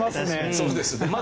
そうですね。